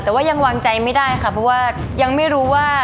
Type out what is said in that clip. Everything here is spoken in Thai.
แต่ว่ายังวางใจไม่ได้ค่ะเพราะว่ายังไม่รู้ว่า